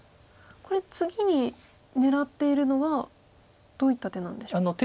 これ次に狙っているのはどういった手なんでしょう。